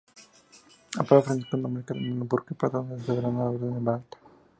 El Papa Francisco nombró al cardenal Burke patrono de la Soberana Orden de Malta.